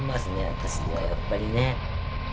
私はやっぱりね。